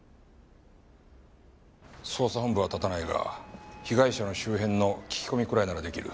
捜査本部は立たないが被害者の周辺の聞き込みくらいなら出来る。